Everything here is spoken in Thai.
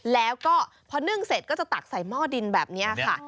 แล้วก็พอนึ่งเสร็จก็จะตักใส่หม้อดินแบบนี้ค่ะ